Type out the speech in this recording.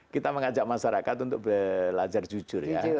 kita mengajak masyarakat untuk belajar jujur ya